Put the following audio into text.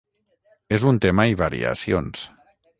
És un tema i variacions.